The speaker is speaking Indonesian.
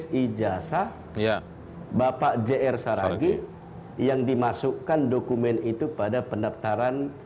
tidak pernah legalisir tidak pernah meleges ijasa bapak jr saragi yang dimasukkan dokumen itu pada pendaftaran